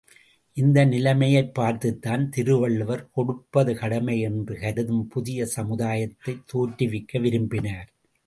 இந்த நிலையைப் பார்த்துத்தான் திருவள்ளுவர் கொடுப்பது கடமை என்று கருதும் புதிய சமுதாயத்தைத் தோற்றுவிக்க விரும்பினார்.